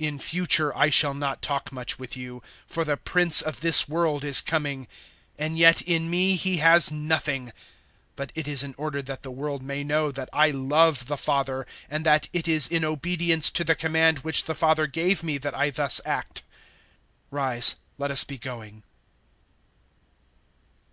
014:030 In future I shall not talk much with you, for the Prince of this world is coming. And yet in me he has nothing; 014:031 but it is in order that the world may know that I love the Father, and that it is in obedience to the command which the Father gave me that I thus act. Rise, let us be going."